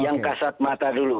yang kasat mata dulu